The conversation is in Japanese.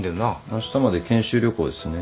あしたまで研修旅行ですね。